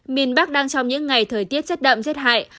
miền bắc đang trong những ngày thời tiết chất đậm chất hại